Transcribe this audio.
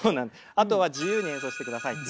あとは自由に演奏してくださいっていう。